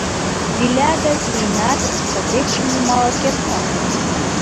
Виля гай пижынатыс, капетшым нумал от керт мо?